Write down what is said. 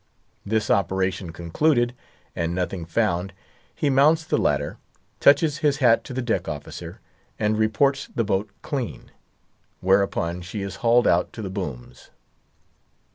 This operation concluded, and nothing found, he mounts the ladder, touches his hat to the deck officer, and reports the boat clean; whereupon she is hauled out to the booms.